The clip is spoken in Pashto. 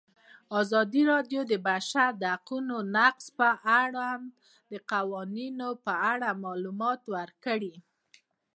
ازادي راډیو د د بشري حقونو نقض د اړونده قوانینو په اړه معلومات ورکړي.